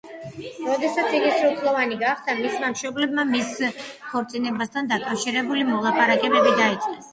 როდესაც იგი სრულწლოვანი გახდა, მისმა მშობლებმა მის ქორწინებასთან დაკავშირებული მოლაპარაკებები დაიწყეს.